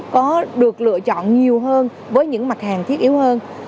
có được lựa chọn nhiều hơn với những mặt hàng thiết yếu hơn